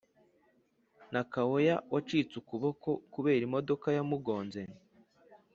nakawooya wacitse ukuboko kubera imodoka yamugonze